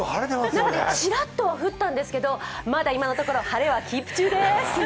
ちらっとは降ったんですけどまだ今のところ晴れはキープ中です！